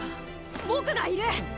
僕がいる！